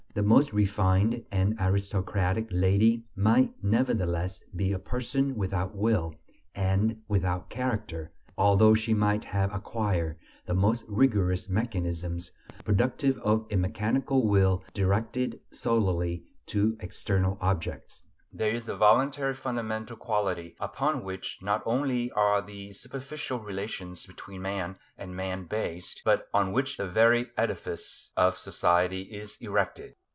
The most refined and aristocratic lady might nevertheless be a person "without will" and "without character," although she might have acquired the most rigorous mechanisms productive of a mechanical will directed solely to external objects. There is a voluntary fundamental quality upon which not only are the superficial relations between man and man based, but on which the very edifice of society is erected.